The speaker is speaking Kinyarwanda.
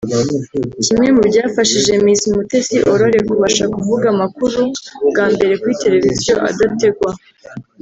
Kimwe mu byafashije Miss Mutesi Aurore kubasha kuvuga amakuru bwa mbere kuri televiziyo adategwa